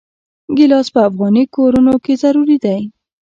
ګیلاس په افغاني کورونو کې ضروري دی.